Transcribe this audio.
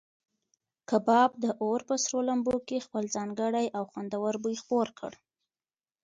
کباب د اور په سرو لمبو کې خپل ځانګړی او خوندور بوی خپور کړ.